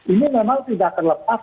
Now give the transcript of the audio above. ini memang tidak terlepas